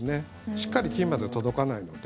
しっかり菌まで届かないので。